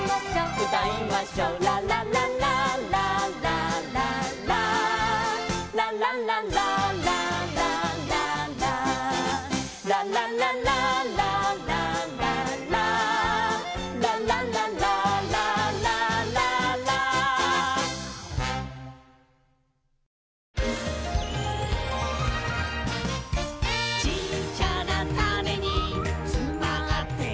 「うたいましょう」「ララララララララララララララララ」「ララララララララ」「ララララララララ」「ちっちゃなタネにつまってるんだ」